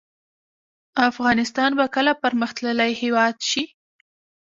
افغانستان به کله پرمختللی هیواد شي؟